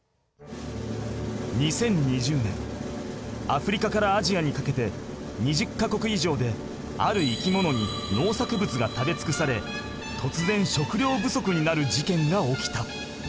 ２０２０年アフリカからアジアにかけて２０か国いじょうである生き物に農作物が食べつくされとつぜん食料不足になるじけんが起きた。